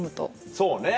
そうね。